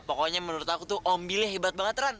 pokoknya menurut aku tuh ombilnya hebat banget ran